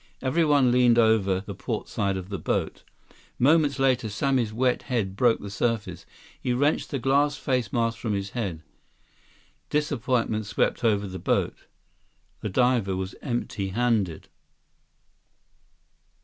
Everyone leaned over the portside of the boat. 174 Moments later, Sammy's wet head broke the surface. He wrenched the glass face mask from his head. Disappointment swept over the boat. The diver was empty handed.